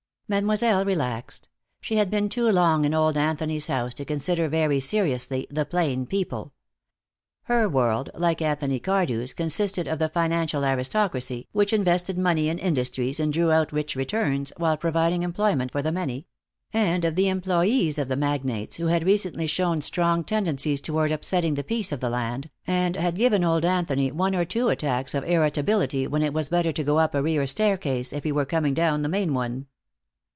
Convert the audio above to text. Mademoiselle relaxed. She had been too long in old Anthony's house to consider very seriously the plain people. Her world, like Anthony Cardew's, consisted of the financial aristocracy, which invested money in industries and drew out rich returns, while providing employment for the many; and of the employees of the magnates, who had recently shown strong tendencies toward upsetting the peace of the land, and had given old Anthony one or two attacks of irritability when it was better to go up a rear staircase if he were coming down the main one.